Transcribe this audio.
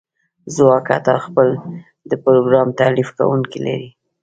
ځواک حتی خپل د پروګرام تالیف کونکی لري